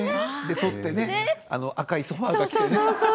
取って赤いソファーがきてね。